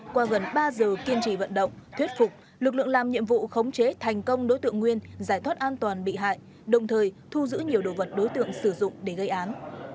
qua gần ba giờ kiên trì vận động thuyết phục lực lượng làm nhiệm vụ khống chế thành công đối tượng nguyên giải thoát an toàn bị hại đồng thời thu giữ nhiều đồ vật đối tượng sử dụng để gây án